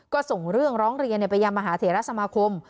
ก็ส่งเรื่องร้องเรียนไปยังมหาเถระสมาคม